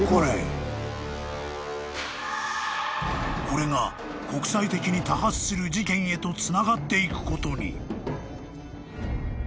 ［これが国際的に多発する事件へとつながっていくことに］